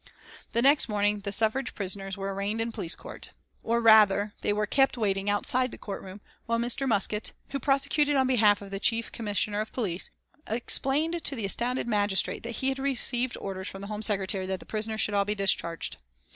The next morning the suffrage prisoners were arraigned in police court. Or rather, they were kept waiting outside the court room while Mr. Muskett, who prosecuted on behalf of the Chief Commissioner of Police, explained to the astounded magistrate that he had received orders from the Home Secretary that the prisoners should all be discharged.